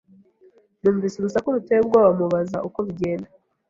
Numvise urusaku ruteye ubwoba, mubaza uko bigenda.